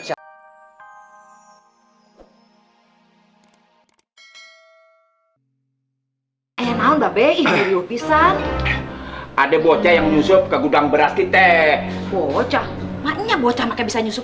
ada bocah yang nyusup ke gudang beras kita bocah makanya bocah makanya bisa nyusup